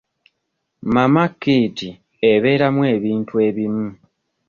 Mama kit ebeeramu ebintu ebimu.